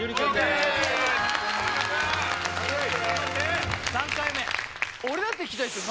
イエイ３回目俺だって聞きたいですよ